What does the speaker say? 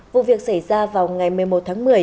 vụ việc xảy ra vào ngày một mươi một tháng một mươi